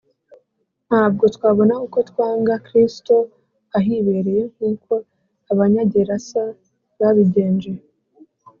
ntabwo twabona uko twanga kristo ahibereye nkuko abanyagerasa babigenje